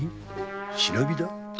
「忍び」だ。